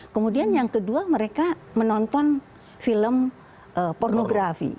kemudian yang kedua mereka menonton film pornografi